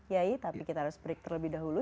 yai tapi kita harus break terlebih dahulu